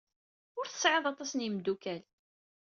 Ur tesɛiḍ aṭas n yimeddukal.